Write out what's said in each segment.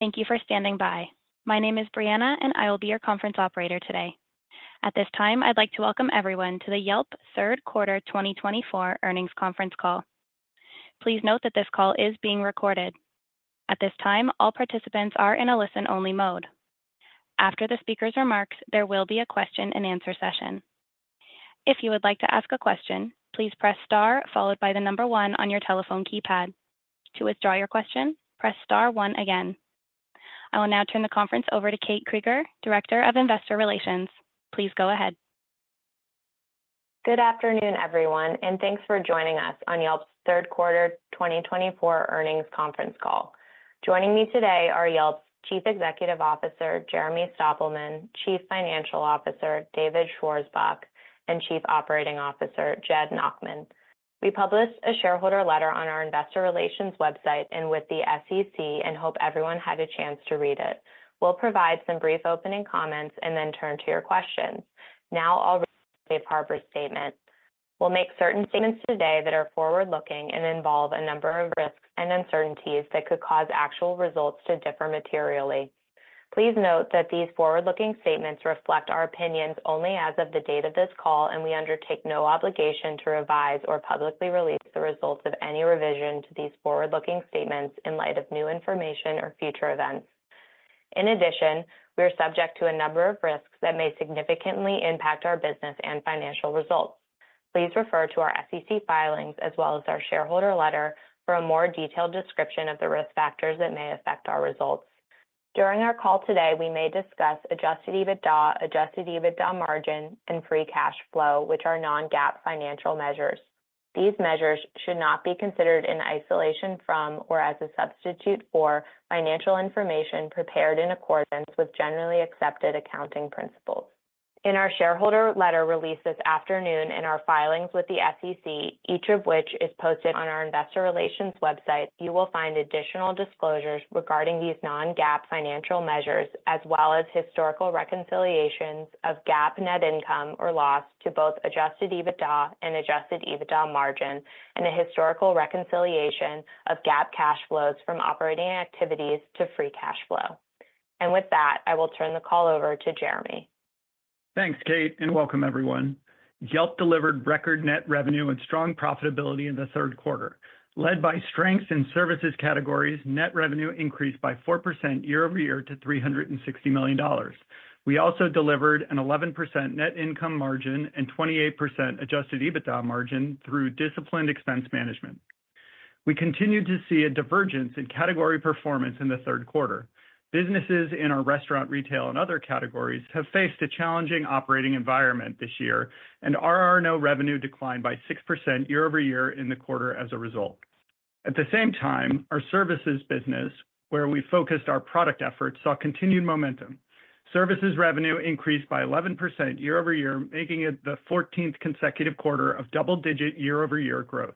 Thank you for standing by. My name is Brianna, and I will be your conference operator today. At this time, I'd like to welcome everyone to the Yelp Third Quarter 2024 earnings conference call. Please note that this call is being recorded. At this time, all participants are in a listen-only mode. After the speaker's remarks, there will be a question-and-answer session. If you would like to ask a question, please press star followed by the number one on your telephone keypad. To withdraw your question, press star one again. I will now turn the conference over to Kate Krieger, Director of Investor Relations. Please go ahead. Good afternoon, everyone, and thanks for joining us on Yelp's Third Quarter 2024 Earnings Conference Call. Joining me today are Yelp's Chief Executive Officer, Jeremy Stoppelman, Chief Financial Officer, David Schwarzbach, and Chief Operating Officer, Jed Nachman. We published a shareholder letter on our Investor Relations website and with the SEC and hope everyone had a chance to read it. We'll provide some brief opening comments and then turn to your questions. Now, I'll read the Safe Harbor statement. We'll make certain statements today that are forward-looking and involve a number of risks and uncertainties that could cause actual results to differ materially. Please note that these forward-looking statements reflect our opinions only as of the date of this call, and we undertake no obligation to revise or publicly release the results of any revision to these forward-looking statements in light of new information or future events. In addition, we are subject to a number of risks that may significantly impact our business and financial results. Please refer to our SEC filings as well as our shareholder letter for a more detailed description of the risk factors that may affect our results. During our call today, we may discuss Adjusted EBITDA, Adjusted EBITDA Margin, and Free Cash Flow, which are non-GAAP financial measures. These measures should not be considered in isolation from or as a substitute for financial information prepared in accordance with generally accepted accounting principles. In our shareholder letter released this afternoon and our filings with the SEC, each of which is posted on our Investor Relations website, you will find additional disclosures regarding these non-GAAP financial measures, as well as historical reconciliations of GAAP net income or loss to both Adjusted EBITDA and Adjusted EBITDA Margin, and a historical reconciliation of GAAP cash flows from operating activities to Free Cash Flow, and with that, I will turn the call over to Jeremy. Thanks, Kate, and welcome, everyone. Yelp delivered record net revenue and strong profitability in the third quarter. Led by strengths in services categories, net revenue increased by 4% year-over-year to $360 million. We also delivered an 11% net income margin and 28% Adjusted EBITDA margin through disciplined expense management. We continued to see a divergence in category performance in the third quarter. Businesses in our restaurant, retail, and other categories have faced a challenging operating environment this year, and R&O revenue declined by 6% year-over-year in the quarter as a result. At the same time, our services business, where we focused our product efforts, saw continued momentum. Services revenue increased by 11% year-over-year, making it the 14th consecutive quarter of double-digit year-over-year growth.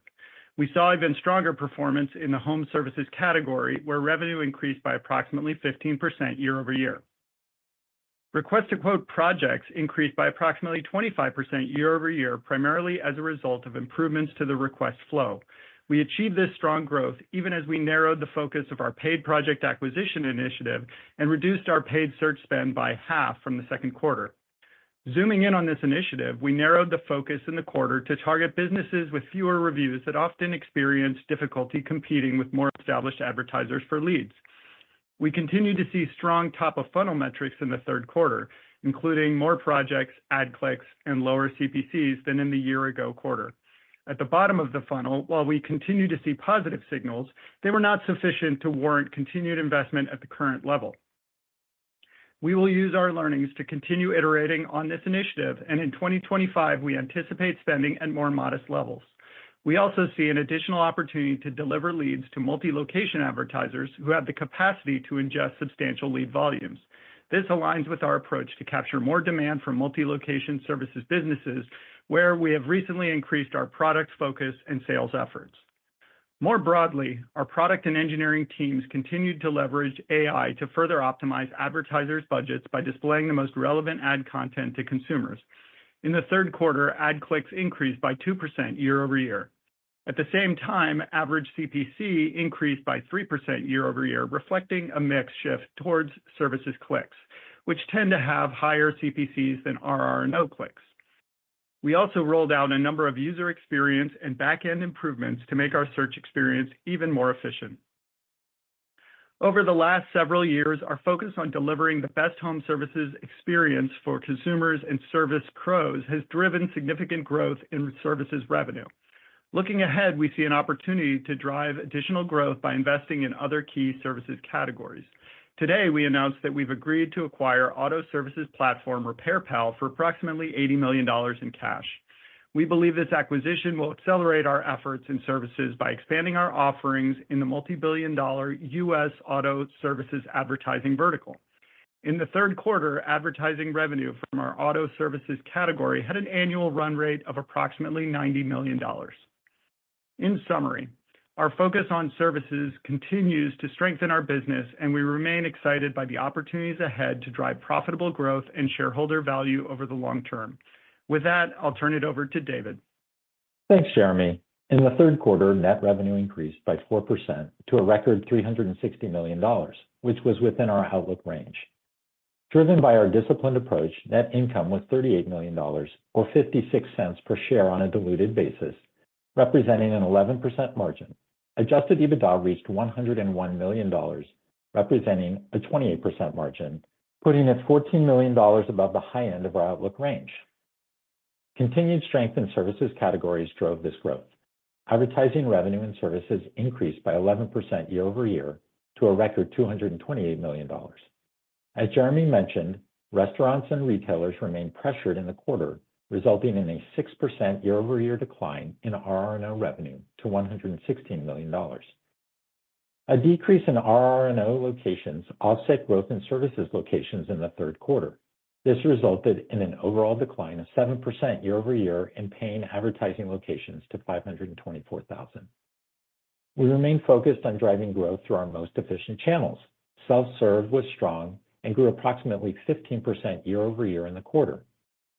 We saw even stronger performance in the home services category, where revenue increased by approximately 15% year-over-year. Request a Quote projects increased by approximately 25% year-over-year, primarily as a result of improvements to the request flow. We achieved this strong growth even as we narrowed the focus of our Paid Project Acquisition initiative and reduced our paid search spend by half from the second quarter. Zooming in on this initiative, we narrowed the focus in the quarter to target businesses with fewer reviews that often experience difficulty competing with more established advertisers for leads. We continue to see strong top-of-funnel metrics in the third quarter, including more projects, ad clicks, and lower CPCs than in the year-ago quarter. At the bottom-of-funnel, while we continue to see positive signals, they were not sufficient to warrant continued investment at the current level. We will use our learnings to continue iterating on this initiative, and in 2025, we anticipate spending at more modest levels. We also see an additional opportunity to deliver leads to multi-location advertisers who have the capacity to ingest substantial lead volumes. This aligns with our approach to capture more demand from multi-location services businesses, where we have recently increased our product focus and sales efforts. More broadly, our product and engineering teams continued to leverage AI to further optimize advertisers' budgets by displaying the most relevant ad content to consumers. In the third quarter, ad clicks increased by 2% year-over-year. At the same time, average CPC increased by 3% year-over-year, reflecting a mixed shift towards services clicks, which tend to have higher CPCs than R&O clicks. We also rolled out a number of user experience and back-end improvements to make our search experience even more efficient. Over the last several years, our focus on delivering the best home services experience for consumers and service pros has driven significant growth in services revenue. Looking ahead, we see an opportunity to drive additional growth by investing in other key services categories. Today, we announced that we've agreed to acquire auto services platform RepairPal for approximately $80 million in cash. We believe this acquisition will accelerate our efforts in services by expanding our offerings in the multi-billion dollar U.S. auto services advertising vertical. In the third quarter, advertising revenue from our auto services category had an annual run rate of approximately $90 million. In summary, our focus on services continues to strengthen our business, and we remain excited by the opportunities ahead to drive profitable growth and shareholder value over the long term. With that, I'll turn it over to David. Thanks, Jeremy. In the third quarter, net revenue increased by 4% to a record $360 million, which was within our outlook range. Driven by our disciplined approach, net income was $38 million, or $0.56 per share on a diluted basis, representing an 11% margin. Adjusted EBITDA reached $101 million, representing a 28% margin, putting it $14 million above the high end of our outlook range. Continued strength in services categories drove this growth. Advertising revenue and services increased by 11% year-over-year to a record $228 million. As Jeremy mentioned, restaurants and retailers remained pressured in the quarter, resulting in a 6% year-over-year decline in R&O revenue to $116 million. A decrease in R&O locations offset growth in services locations in the third quarter. This resulted in an overall decline of 7% year-over-year in paying advertising locations to $524,000. We remained focused on driving growth through our most efficient channels. Self-serve was strong and grew approximately 15% year-over-year in the quarter.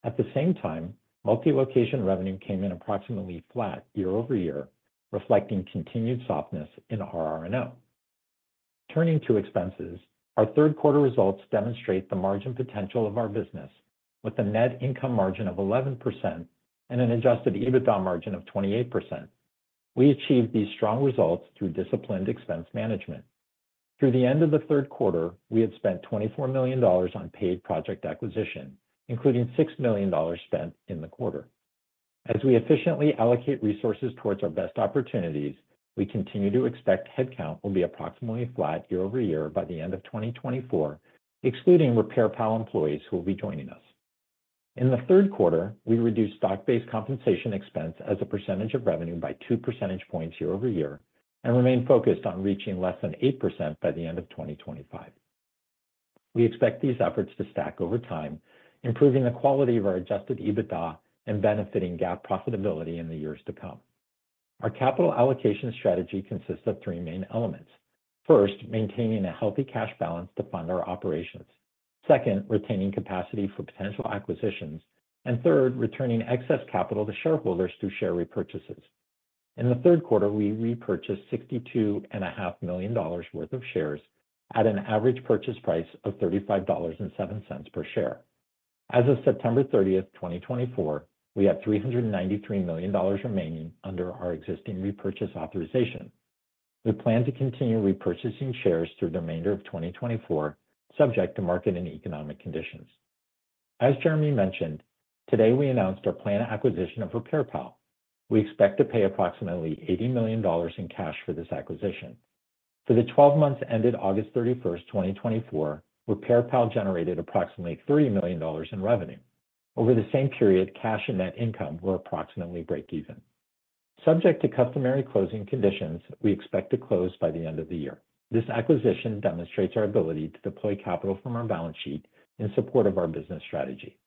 At the same time, multi-location revenue came in approximately flat year-over-year, reflecting continued softness in R&O. Turning to expenses, our third quarter results demonstrate the margin potential of our business. With a net income margin of 11% and an Adjusted EBITDA margin of 28%, we achieved these strong results through disciplined expense management. Through the end of the third quarter, we had spent $24 million on paid project acquisition, including $6 million spent in the quarter. As we efficiently allocate resources towards our best opportunities, we continue to expect headcount will be approximately flat year-over-year by the end of 2024, excluding RepairPal employees who will be joining us. In the third quarter, we reduced stock-based compensation expense as a percentage of revenue by 2 percentage points year-over-year and remained focused on reaching less than 8% by the end of 2025. We expect these efforts to stack over time, improving the quality of our Adjusted EBITDA and benefiting GAAP profitability in the years to come. Our capital allocation strategy consists of three main elements. First, maintaining a healthy cash balance to fund our operations. Second, retaining capacity for potential acquisitions. And third, returning excess capital to shareholders through share repurchases. In the third quarter, we repurchased $62.5 million worth of shares at an average purchase price of $35.07 per share. As of September 30, 2024, we have $393 million remaining under our existing repurchase authorization. We plan to continue repurchasing shares through the remainder of 2024, subject to market and economic conditions. As Jeremy mentioned, today we announced our planned acquisition of RepairPal. We expect to pay approximately $80 million in cash for this acquisition. For the 12 months ended August 31, 2024, RepairPal generated approximately $30 million in revenue. Over the same period, cash and net income were approximately break-even. Subject to customary closing conditions, we expect to close by the end of the year. This acquisition demonstrates our ability to deploy capital from our balance sheet in support of our business strategy.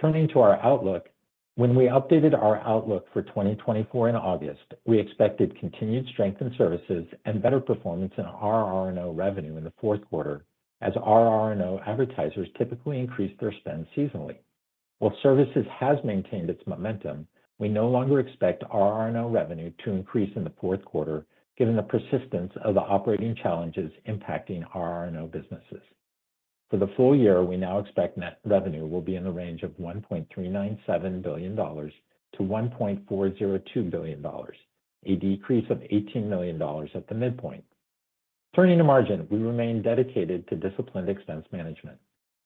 Turning to our outlook, when we updated our outlook for 2024 in August, we expected continued strength in services and better performance in R&O revenue in the fourth quarter, as R&O advertisers typically increase their spend seasonally. While services has maintained its momentum, we no longer expect R&O revenue to increase in the fourth quarter, given the persistence of the operating challenges impacting R&O businesses. For the full year, we now expect net revenue will be in the range of $1.397 billion-$1.402 billion, a decrease of $18 million at the midpoint. Turning to margin, we remain dedicated to disciplined expense management.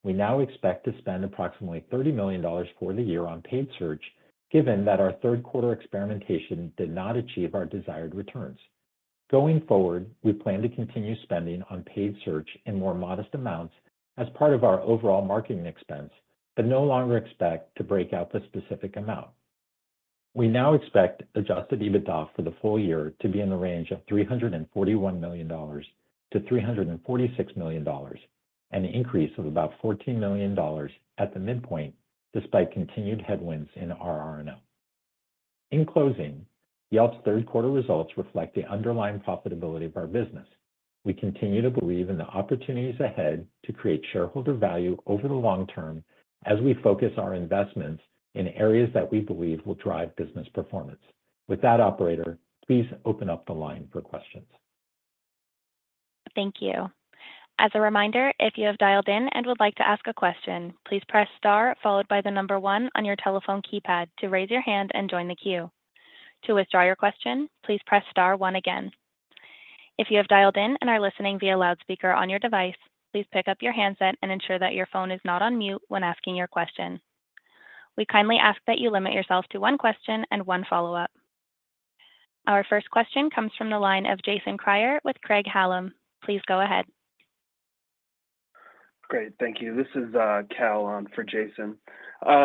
We now expect to spend approximately $30 million for the year on paid search, given that our third quarter experimentation did not achieve our desired returns. Going forward, we plan to continue spending on paid search in more modest amounts as part of our overall marketing expense, but no longer expect to break out the specific amount. We now expect Adjusted EBITDA for the full year to be in the range of $341 million-$346 million, an increase of about $14 million at the midpoint, despite continued headwinds in R&O. In closing, Yelp's third quarter results reflect the underlying profitability of our business. We continue to believe in the opportunities ahead to create shareholder value over the long term as we focus our investments in areas that we believe will drive business performance. With that, operator, please open up the line for questions. Thank you. As a reminder, if you have dialed in and would like to ask a question, please press star followed by the number one on your telephone keypad to raise your hand and join the queue. To withdraw your question, please press star one again. If you have dialed in and are listening via loudspeaker on your device, please pick up your handset and ensure that your phone is not on mute when asking your question. We kindly ask that you limit yourself to one question and one follow-up. Our first question comes from the line of Jason Kreyer with Craig-Hallum. Please go ahead. Great. Thank you. This is Cal on for Jason.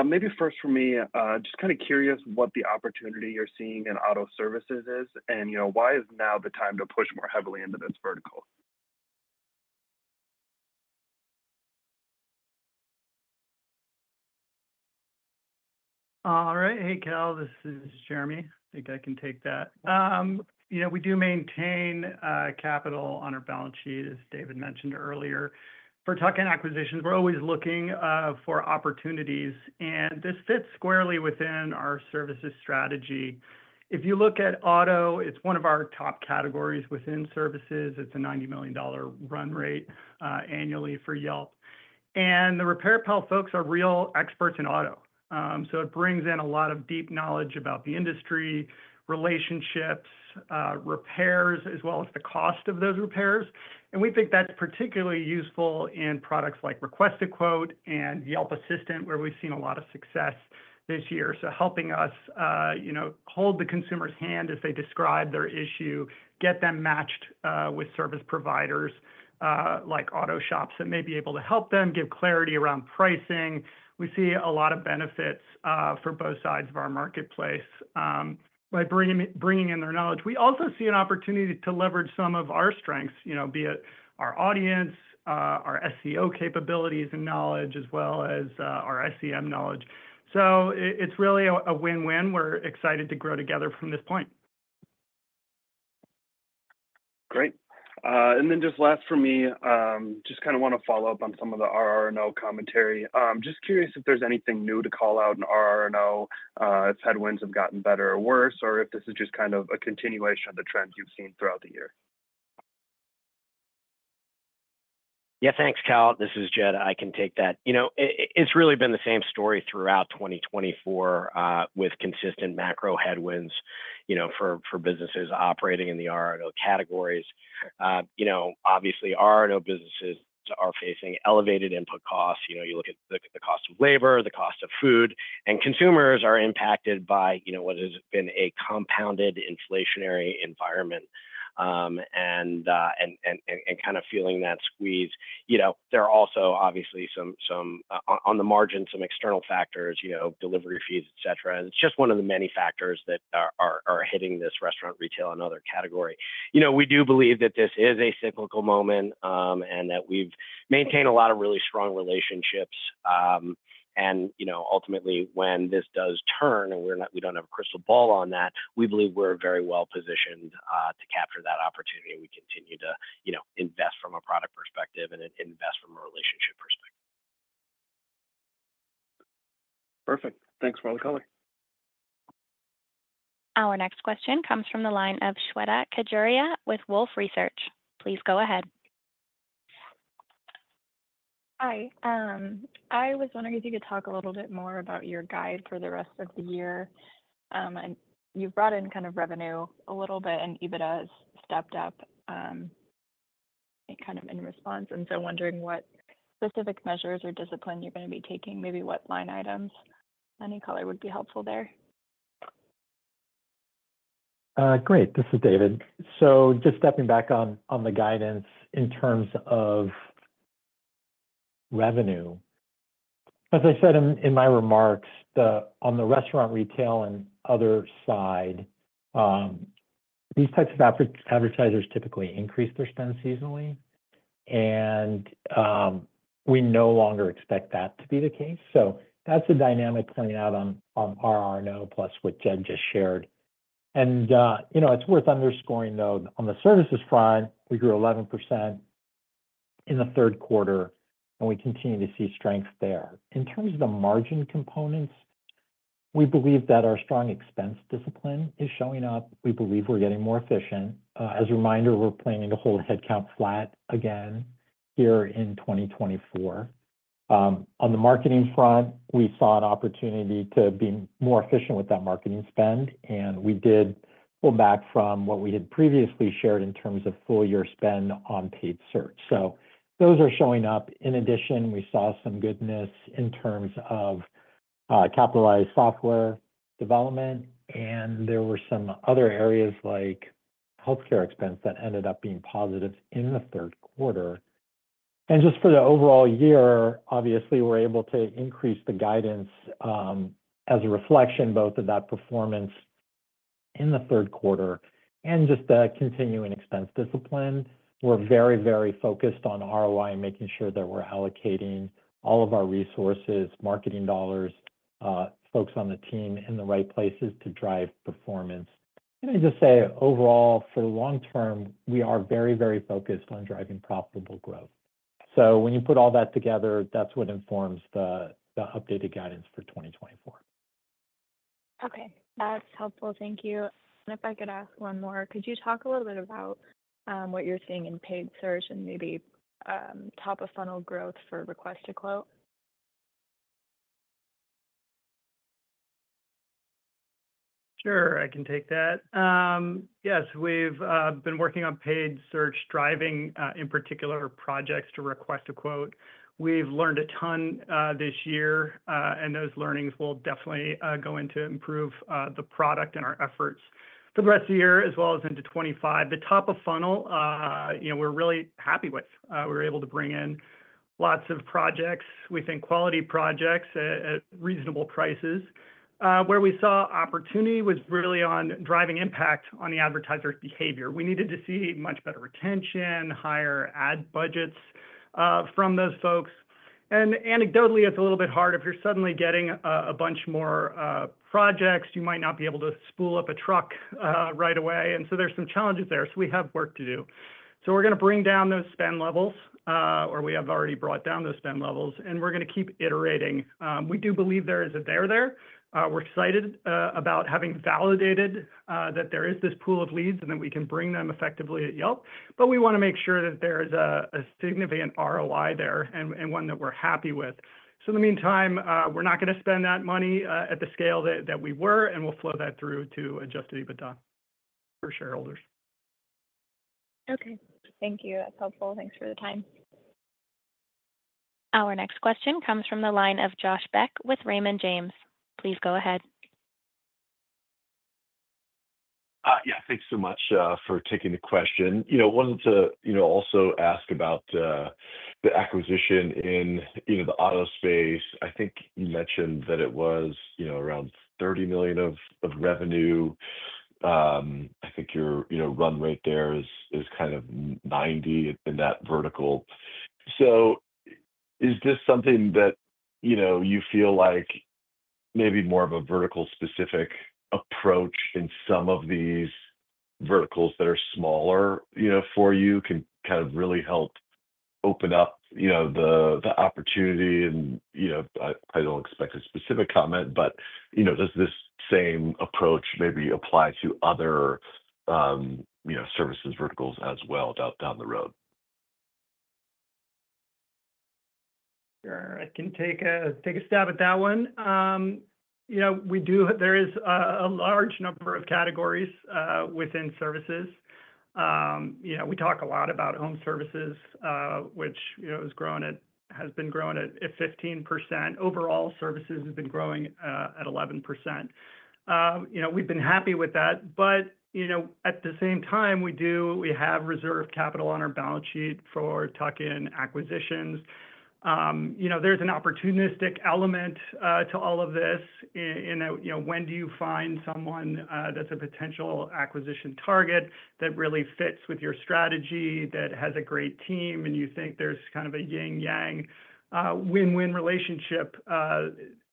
Maybe first for me, just kind of curious what the opportunity you're seeing in auto services is, and why is now the time to push more heavily into this vertical? All right. Hey, Cal. This is Jeremy. I think I can take that. We do maintain capital on our balance sheet, as David mentioned earlier. For tuck-ins and acquisitions, we're always looking for opportunities, and this fits squarely within our services strategy. If you look at auto, it's one of our top categories within services. It's a $90 million run rate annually for Yelp. And the RepairPal folks are real experts in auto. So it brings in a lot of deep knowledge about the industry, relationships, repairs, as well as the cost of those repairs. And we think that's particularly useful in products like Request a Quote and Yelp Assistant, where we've seen a lot of success this year. So helping us hold the consumer's hand as they describe their issue, get them matched with service providers like auto shops that may be able to help them give clarity around pricing. We see a lot of benefits for both sides of our marketplace by bringing in their knowledge. We also see an opportunity to leverage some of our strengths, be it our audience, our SEO capabilities and knowledge, as well as our SEM knowledge. So it's really a win-win. We're excited to grow together from this point. Great. And then just last for me, just kind of want to follow up on some of the R&O commentary. Just curious if there's anything new to call out in R&O, if headwinds have gotten better or worse, or if this is just kind of a continuation of the trend you've seen throughout the year? Yeah, thanks, Cal. This is Jed. I can take that. It's really been the same story throughout 2024 with consistent macro headwinds for businesses operating in the R&O categories. Obviously, R&O businesses are facing elevated input costs. You look at the cost of labor, the cost of food, and consumers are impacted by what has been a compounded inflationary environment and kind of feeling that squeeze. There are also, obviously, on the margin, some external factors, delivery fees, etc. It's just one of the many factors that are hitting this restaurant, retail, and other category. We do believe that this is a cyclical moment and that we've maintained a lot of really strong relationships. And ultimately, when this does turn and we don't have a crystal ball on that, we believe we're very well positioned to capture that opportunity and we continue to invest from a product perspective and invest from a relationship perspective. Perfect. Thanks, for the time. Our next question comes from the line of Shweta Khajuria with Wolfe Research. Please go ahead. Hi. I was wondering if you could talk a little bit more about your guidance for the rest of the year. You've brought in guidance a little bit and EBITDA has stepped up kind of in response. And so wondering what specific measures or discipline you're going to be taking, maybe what line items. Any color would be helpful there. Great. This is David. So just stepping back on the guidance in terms of revenue. As I said in my remarks, on the restaurant, retail, and other side, these types of advertisers typically increase their spend seasonally, and we no longer expect that to be the case. So that's a dynamic playing out on R&O plus what Jed just shared. And it's worth underscoring, though, on the services front, we grew 11% in the third quarter, and we continue to see strength there. In terms of the margin components, we believe that our strong expense discipline is showing up. We believe we're getting more efficient. As a reminder, we're planning to hold headcount flat again here in 2024. On the marketing front, we saw an opportunity to be more efficient with that marketing spend, and we did pull back from what we had previously shared in terms of full-year spend on paid search, so those are showing up. In addition, we saw some goodness in terms of capitalized software development, and there were some other areas like healthcare expense that ended up being positive in the third quarter. And just for the overall year, obviously, we're able to increase the guidance as a reflection both of that performance in the third quarter and just the continuing expense discipline. We're very, very focused on ROI and making sure that we're allocating all of our resources, marketing dollars, folks on the team in the right places to drive performance, and I just say, overall, for the long term, we are very, very focused on driving profitable growth. So when you put all that together, that's what informs the updated guidance for 2024. Okay. That's helpful. Thank you. And if I could ask one more, could you talk a little bit about what you're seeing in paid search and maybe top-of-funnel growth for Request a Quote? Sure. I can take that. Yes. We've been working on paid search, driving in particular projects to Request a Quote. We've learned a ton this year, and those learnings will definitely go into improving the product and our efforts for the rest of the year, as well as into 2025. The top-of-funnel, we're really happy with. We were able to bring in lots of projects. We think quality projects at reasonable prices. Where we saw opportunity was really on driving impact on the advertiser's behavior. We needed to see much better retention, higher ad budgets from those folks, and anecdotally, it's a little bit hard. If you're suddenly getting a bunch more projects, you might not be able to spool up a truck right away, and so there's some challenges there, so we have work to do. So we're going to bring down those spend levels, or we have already brought down those spend levels, and we're going to keep iterating. We do believe there is a there there. We're excited about having validated that there is this pool of leads and that we can bring them effectively at Yelp. But we want to make sure that there is a significant ROI there and one that we're happy with. So in the meantime, we're not going to spend that money at the scale that we were, and we'll flow that through to Adjusted EBITDA for shareholders. Okay. Thank you. That's helpful. Thanks for the time. Our next question comes from the line of Josh Beck with Raymond James. Please go ahead. Yeah. Thanks so much for taking the question. I wanted to also ask about the acquisition in the auto space. I think you mentioned that it was around $30 million of revenue. I think your run rate there is kind of $90 million in that vertical. So is this something that you feel like maybe more of a vertical-specific approach in some of these verticals that are smaller for you can kind of really help open up the opportunity? And I don't expect a specific comment, but does this same approach maybe apply to other services verticals as well down the road? Sure. I can take a stab at that one. There is a large number of categories within services. We talk a lot about home services, which has been growing at 15%. Overall, services have been growing at 11%. We've been happy with that. But at the same time, we have reserved capital on our balance sheet for tuck-ins and acquisitions. There's an opportunistic element to all of this in that when do you find someone that's a potential acquisition target that really fits with your strategy, that has a great team, and you think there's kind of a yin-yang win-win relationship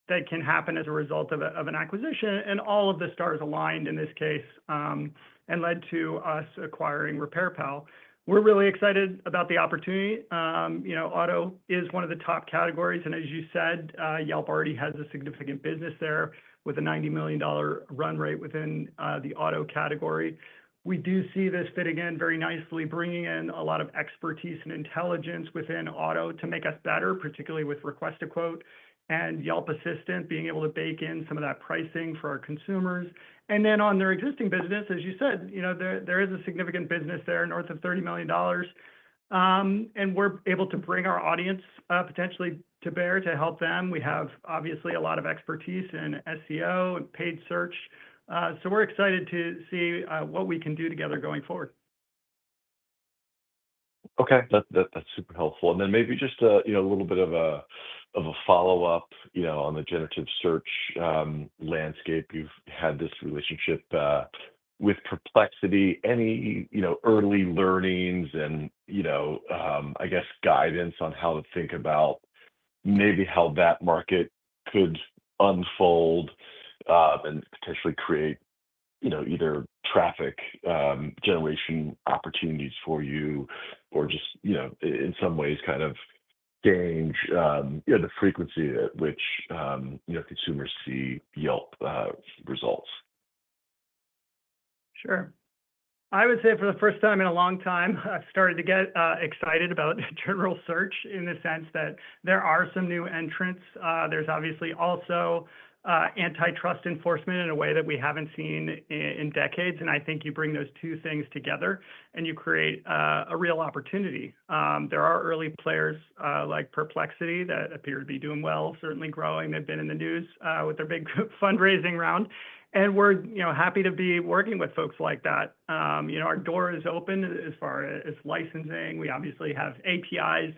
that can happen as a result of an acquisition, and all of the stars aligned in this case and led to us acquiring RepairPal. We're really excited about the opportunity. Auto is one of the top categories. As you said, Yelp already has a significant business there with a $90 million run rate within the auto category. We do see this fit again very nicely, bringing in a lot of expertise and intelligence within auto to make us better, particularly with Request a Quote and Yelp Assistant being able to bake in some of that pricing for our consumers. And then on their existing business, as you said, there is a significant business there north of $30 million. And we're able to bring our audience potentially to bear to help them. We have, obviously, a lot of expertise in SEO and paid search. So we're excited to see what we can do together going forward. Okay. That's super helpful. And then maybe just a little bit of a follow-up on the generative search landscape. You've had this relationship with Perplexity. Any early learnings and, I guess, guidance on how to think about maybe how that market could unfold and potentially create either traffic generation opportunities for you or just, in some ways, kind of change the frequency at which consumers see Yelp results? Sure. I would say for the first time in a long time, I've started to get excited about general search in the sense that there are some new entrants. There's obviously also antitrust enforcement in a way that we haven't seen in decades, and I think you bring those two things together, and you create a real opportunity. There are early players like Perplexity that appear to be doing well, certainly growing. They've been in the news with their big fundraising round, and we're happy to be working with folks like that. Our door is open as far as licensing. We obviously have APIs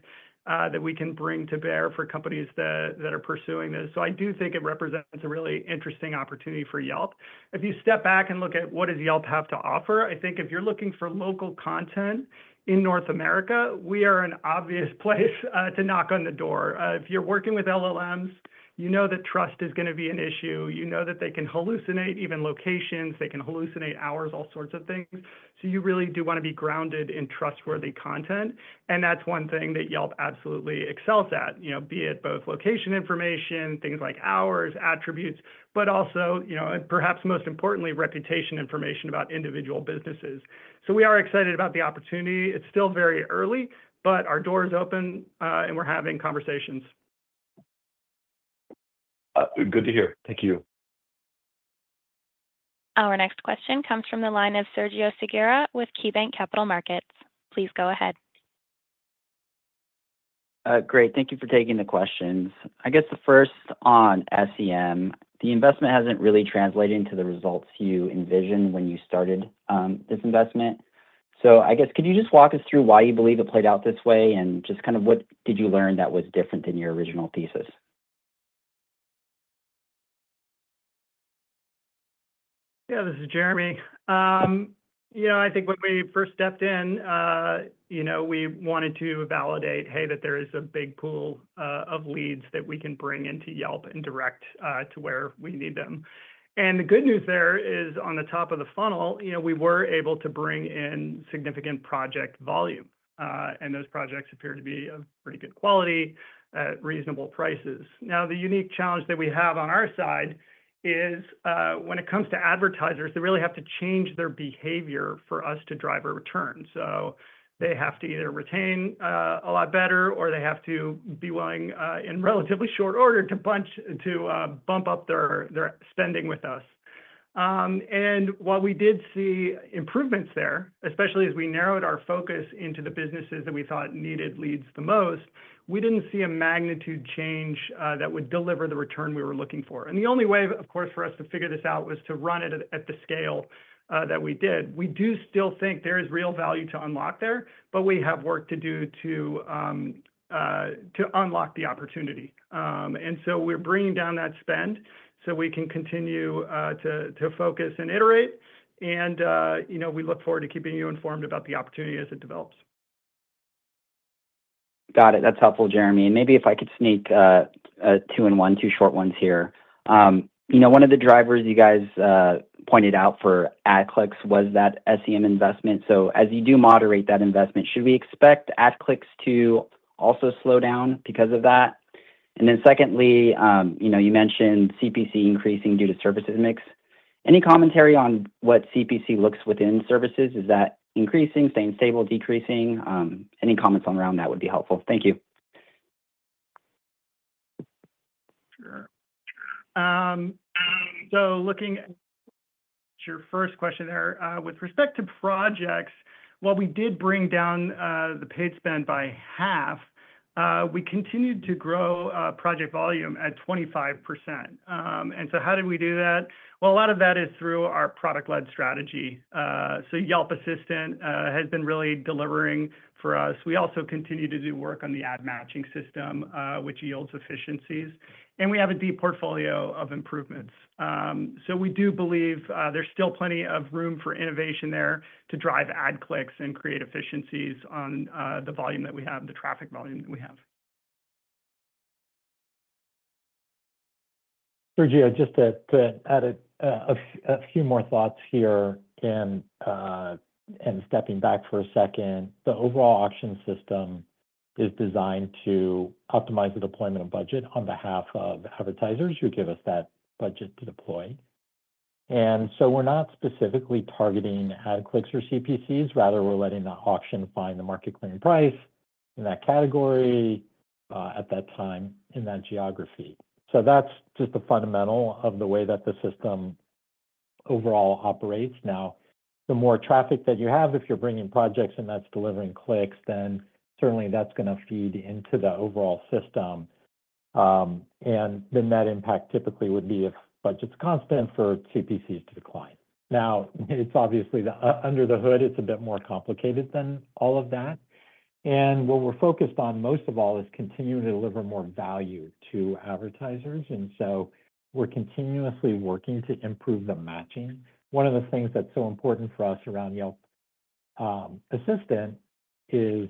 that we can bring to bear for companies that are pursuing this, so I do think it represents a really interesting opportunity for Yelp. If you step back and look at what does Yelp have to offer, I think if you're looking for local content in North America, we are an obvious place to knock on the door. If you're working with LLMs, you know that trust is going to be an issue. You know that they can hallucinate even locations. They can hallucinate hours, all sorts of things. So you really do want to be grounded in trustworthy content. And that's one thing that Yelp absolutely excels at, be it both location information, things like hours, attributes, but also, perhaps most importantly, reputation information about individual businesses. So we are excited about the opportunity. It's still very early, but our door is open, and we're having conversations. Good to hear. Thank you. Our next question comes from the line of Sergio Segura with KeyBanc Capital Markets. Please go ahead. Great. Thank you for taking the questions. I guess the first on SEM, the investment hasn't really translated into the results you envisioned when you started this investment. So I guess, could you just walk us through why you believe it played out this way and just kind of what did you learn that was different than your original thesis? Yeah. This is Jeremy. I think when we first stepped in, we wanted to validate, hey, that there is a big pool of leads that we can bring into Yelp and direct to where we need them. And the good news there is on the top of the funnel, we were able to bring in significant project volume. And those projects appear to be of pretty good quality at reasonable prices. Now, the unique challenge that we have on our side is when it comes to advertisers, they really have to change their behavior for us to drive a return. So they have to either retain a lot better or they have to be willing, in relatively short order, to bump up their spending with us. And while we did see improvements there, especially as we narrowed our focus into the businesses that we thought needed leads the most, we didn't see a magnitude change that would deliver the return we were looking for. And the only way, of course, for us to figure this out was to run it at the scale that we did. We do still think there is real value to unlock there, but we have work to do to unlock the opportunity. And so we're bringing down that spend so we can continue to focus and iterate. And we look forward to keeping you informed about the opportunity as it develops. Got it. That's helpful, Jeremy. And maybe if I could sneak two-in-one, two short ones here. One of the drivers you guys pointed out for ad clicks was that SEM investment. So as you do moderate that investment, should we expect ad clicks to also slow down because of that? And then secondly, you mentioned CPC increasing due to services mix. Any commentary on what CPC looks within services? Is that increasing, staying stable, decreasing? Any comments on around that would be helpful. Thank you. Sure. So looking at your first question there, with respect to projects, while we did bring down the paid spend by half, we continued to grow project volume at 25%. And so how did we do that? Well, a lot of that is through our product-led strategy. So Yelp Assistant has been really delivering for us. We also continue to do work on the ad matching system, which yields efficiencies. And we have a deep portfolio of improvements. So we do believe there's still plenty of room for innovation there to drive ad clicks and create efficiencies on the volume that we have, the traffic volume that we have. Sergio, just to add a few more thoughts here and stepping back for a second, the overall auction system is designed to optimize the deployment of budget on behalf of advertisers who give us that budget to deploy. And so we're not specifically targeting ad clicks or CPCs. Rather, we're letting the auction find the market clearing price in that category at that time in that geography. So that's just the fundamental of the way that the system overall operates. Now, the more traffic that you have, if you're bringing projects and that's delivering clicks, then certainly that's going to feed into the overall system. And then that impact typically would be if budget's constant for CPCs to decline. Now, it's obviously under the hood, it's a bit more complicated than all of that. And what we're focused on most of all is continuing to deliver more value to advertisers. And so we're continuously working to improve the matching. One of the things that's so important for us around Yelp Assistant is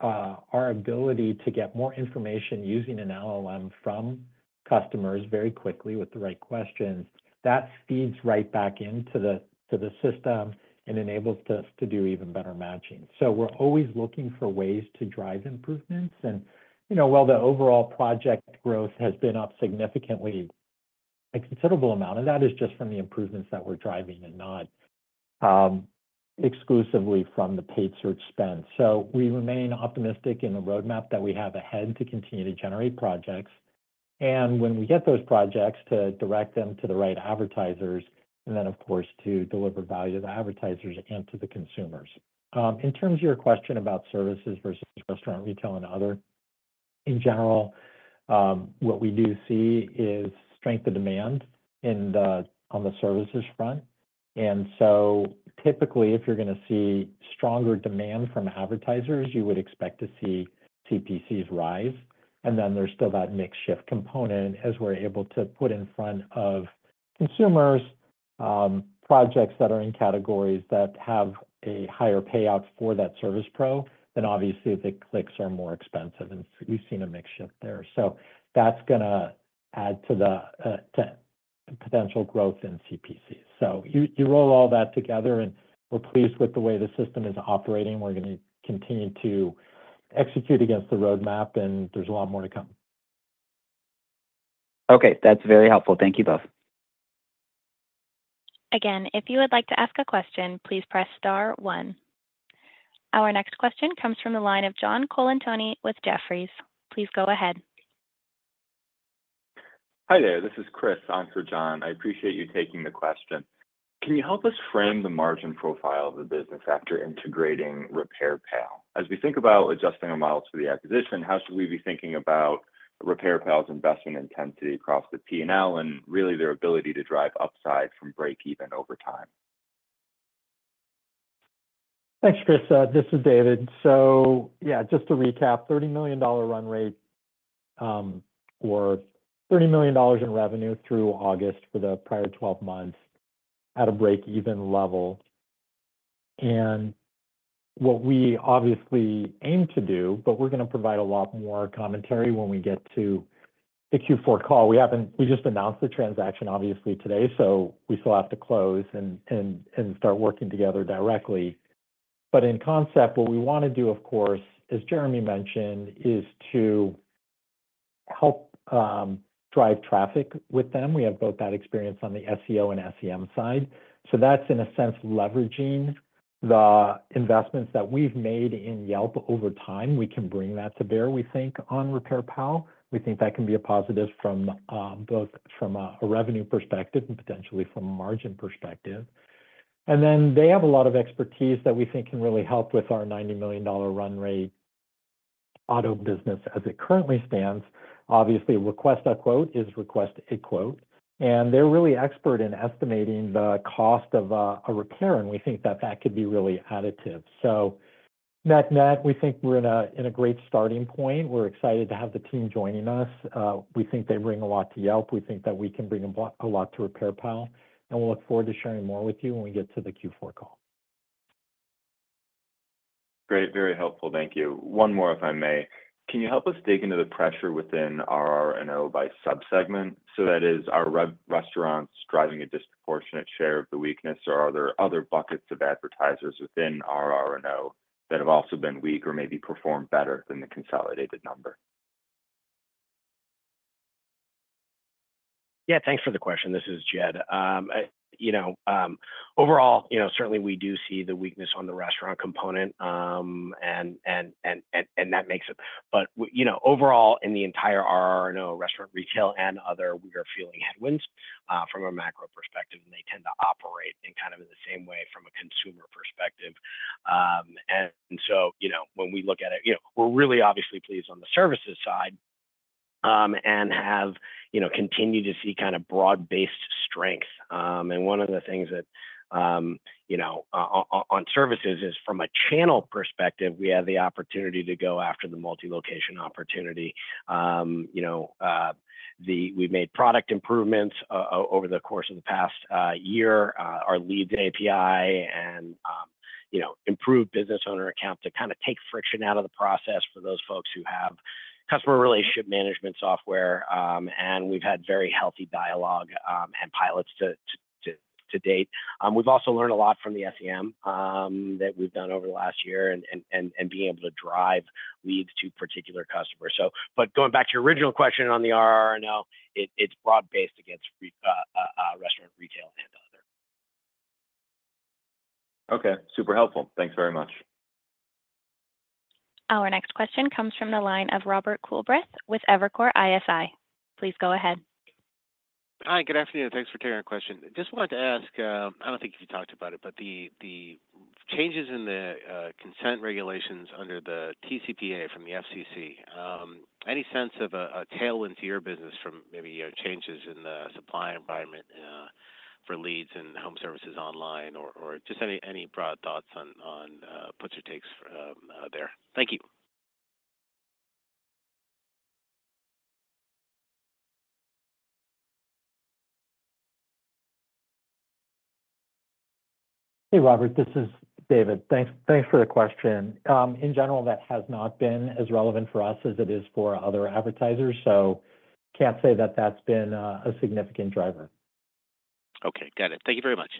our ability to get more information using an LLM from customers very quickly with the right questions. That feeds right back into the system and enables us to do even better matching. So we're always looking for ways to drive improvements. And while the overall project growth has been up significantly, a considerable amount of that is just from the improvements that we're driving and not exclusively from the paid search spend. So we remain optimistic in the roadmap that we have ahead to continue to generate projects. And when we get those projects, to direct them to the right advertisers, and then, of course, to deliver value to the advertisers and to the consumers. In terms of your question about services versus restaurants, retail, and other, in general, what we do see is strength of demand on the services front. And so typically, if you're going to see stronger demand from advertisers, you would expect to see CPCs rise. And then there's still that mix shift component as we're able to put in front of consumers projects that are in categories that have a higher payout for that service pro than obviously the clicks are more expensive. And we've seen a mix shift there. So that's going to add to the potential growth in CPCs. So you roll all that together, and we're pleased with the way the system is operating. We're going to continue to execute against the roadmap, and there's a lot more to come. Okay. That's very helpful. Thank you both. Again, if you would like to ask a question, please press star one. Our next question comes from the line of John Colantuoni with Jefferies. Please go ahead. Hi there. This is Chris on for John. I appreciate you taking the question. Can you help us frame the margin profile of the business after integrating RepairPal? As we think about adjusting our models for the acquisition, how should we be thinking about RepairPal's investment intensity across the P&L and really their ability to drive upside from break-even over time? Thanks, Chris. This is David. So yeah, just to recap, $30 million run rate or $30 million in revenue through August for the prior 12 months at a break-even level, and what we obviously aim to do, but we're going to provide a lot more commentary when we get to the Q4 call. We just announced the transaction, obviously, today, so we still have to close and start working together directly. But in concept, what we want to do, of course, as Jeremy mentioned, is to help drive traffic with them. We have both that experience on the SEO and SEM side, so that's, in a sense, leveraging the investments that we've made in Yelp over time. We can bring that to bear, we think, on RepairPal. We think that can be a positive both from a revenue perspective and potentially from a margin perspective. And then they have a lot of expertise that we think can really help with our $90 million run rate auto business as it currently stands. Obviously, request a quote is request a quote. And they're really expert in estimating the cost of a repair. And we think that that could be really additive. So net net, we think we're in a great starting point. We're excited to have the team joining us. We think they bring a lot to Yelp. We think that we can bring a lot to RepairPal. And we'll look forward to sharing more with you when we get to the Q4 call. Great. Very helpful. Thank you. One more, if I may. Can you help us dig into the pressure within R&O by subsegment? So that is our restaurants driving a disproportionate share of the weakness, or are there other buckets of advertisers within R&O that have also been weak or maybe performed better than the consolidated number? Yeah. Thanks for the question. This is Jed. Overall, certainly we do see the weakness on the restaurant component, and that makes it, but overall, in the entire R&O, restaurant retail and other, we are feeling headwinds from a macro perspective, and they tend to operate in kind of the same way from a consumer perspective. And so when we look at it, we're really obviously pleased on the services side and have continued to see kind of broad-based strength, and one of the things that on services is from a channel perspective, we have the opportunity to go after the multi-location opportunity. We've made product improvements over the course of the past year, our Lead API, and improved Business Owner Account to kind of take friction out of the process for those folks who have customer relationship management software, and we've had very healthy dialogue and pilots to date. We've also learned a lot from the SEM that we've done over the last year and being able to drive leads to particular customers. But going back to your original question on the R&O, it's broad-based against restaurant retail and other. Okay. Super helpful. Thanks very much. Our next question comes from the line of Robert Coolbrith with Evercore ISI. Please go ahead. Hi. Good afternoon. Thanks for taking our question. Just wanted to ask, I don't think you talked about it, but the changes in the consent regulations under the TCPA from the FCC, any sense of a tailwind to your business from maybe changes in the supply environment for leads and home services online or just any broad thoughts on puts or takes there? Thank you. Hey, Robert. This is David. Thanks for the question. In general, that has not been as relevant for us as it is for other advertisers. So can't say that that's been a significant driver. Okay. Got it. Thank you very much.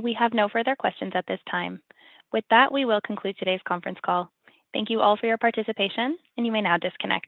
We have no further questions at this time. With that, we will conclude today's conference call. Thank you all for your participation, and you may now disconnect.